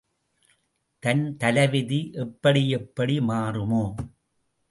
தன் தலைவிதி எப்படியெப்படி மாறுமோ?